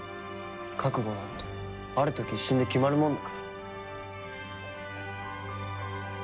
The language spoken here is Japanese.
覚悟なんてある時一瞬で決まるもんだから。